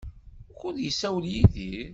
Wukud yessawel Yidir?